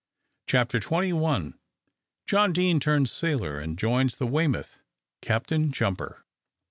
CHAPTER TWENTY ONE. JOHN DEANE TURNS SAILOR, AND JOINS THE "WEYMOUTH," CAPTAIN JUMPER.